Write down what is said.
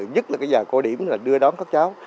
nhất là giờ cố điểm đưa đón các cháu